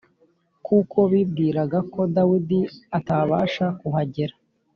kuko bibwiraga ko Dawidi atabasha kuhagera.